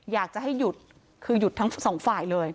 อยากจะให้หยุดคือหยุดทั้งสองฝ่ายเลย